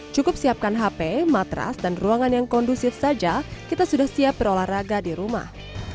cukup siapkan hp matras dan ruangan yang kondusif saja kita sudah siap berolahraga di rumah